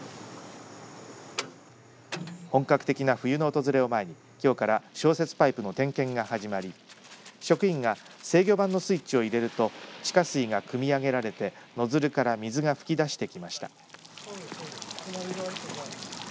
本格的な冬の訪れを前にきょうから消雪パイプの点検が始まり職員が制御盤のスイッチを入れると地下水がくみ上げられてノズルから水が噴き出してきました。